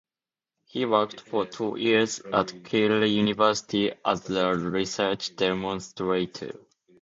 He worked for two years at Keele University as a research demonstrator.